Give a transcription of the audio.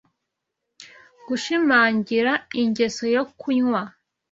gushimangira ingeso yo kunywa